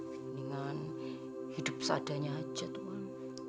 mendingan hidup seadanya saja tuan